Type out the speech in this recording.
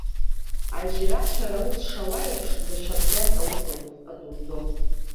Ажьрацәара аус шауа еиԥш даҽа абџьарк аус азуӡом.